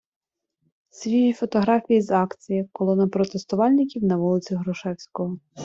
Свіжі фотографії з акції: Колона протестувальників на вулиці Грушевського....